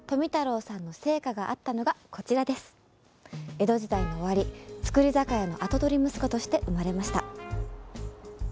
江戸時代の終わり造り酒屋の跡取り息子として生まれました。